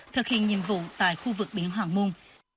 thực hiện nhiệm vụ tại khu vực biển hòn mùn